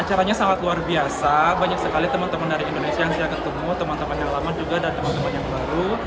acaranya sangat luar biasa banyak sekali teman teman dari indonesia yang sudah ketemu teman teman yang lama juga dan teman teman yang baru